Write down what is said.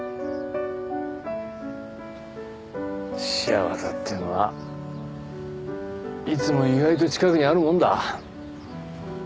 幸せっていうのはいつも意外と近くにあるもんだ。